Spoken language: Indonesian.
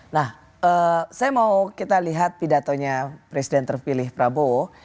nah saya mau kita lihat pidatonya presiden terpilih prabowo